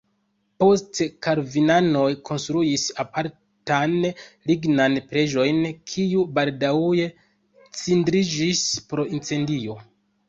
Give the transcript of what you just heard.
Poste la kalvinanoj konstruis apartan lignan preĝejon, kiu baldaŭe cindriĝis pro incendio.